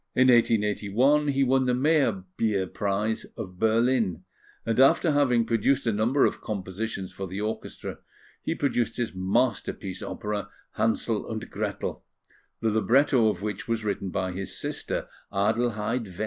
In 1881, he won the Meyerbeer prize of Berlin; and after having produced a number of compositions for the orchestra, he produced his masterpiece opera, Hansel und Gretel, the libretto of which was written by his sister, Adelheid Wette.